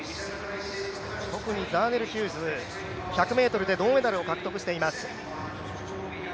特にザーネル・ヒューズ、１００ｍで銅メダルを獲得しています。